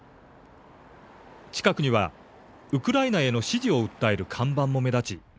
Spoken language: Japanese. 近くにはウクライナへの支持を訴える看板も目立ち